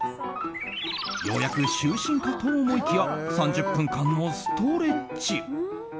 ようやく就寝かと思いきや３０分間のストレッチ。